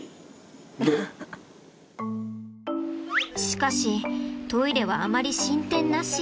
しかしトイレはあまり進展なし。